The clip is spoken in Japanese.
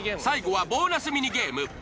最後はボーナスミニゲーム。